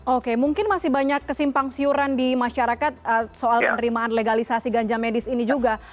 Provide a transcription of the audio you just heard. oke mungkin masih banyak kesimpang siuran di masyarakat soal penerimaan legalisasi ganja medis ini juga